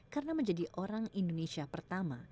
karena menjadi orang indonesia pertama